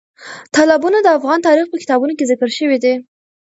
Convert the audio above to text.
تالابونه د افغان تاریخ په کتابونو کې ذکر شوی دي.